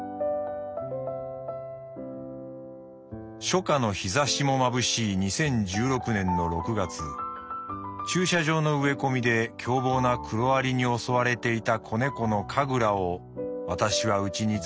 「初夏の陽射しもまぶしい二〇一六年の六月駐車場の植え込みで凶暴な黒アリに襲われていた仔猫のカグラを私は家に連れ帰った。